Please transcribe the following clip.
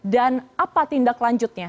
dan apa tindak lanjutnya